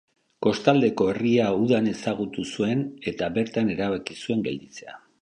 Kostaldeko herria udan ezagutu zuen eta bertan erabaki zuen gelditzea.